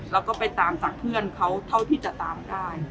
แล้วก็ไปตามจากเพื่อนเขาเท่าที่จะตามได้